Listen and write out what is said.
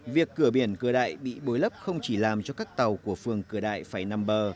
việc cửa biển cửa đại bị bối lấp không chỉ làm cho các tàu của phường cửa đại phải nằm bờ